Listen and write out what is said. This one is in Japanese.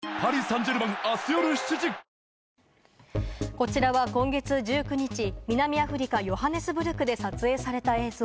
こちらは今月１９日、南アフリカ・ヨハネスブルクで撮影された映像。